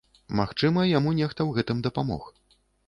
Магчыма, яму нехта ў гэтым дапамог.